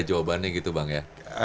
jawabannya gitu bang ya